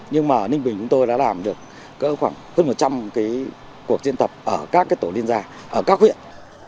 nhưng mà ninh bình chúng tôi đã làm được khoảng một trăm linh cuộc diễn tập ở các huyện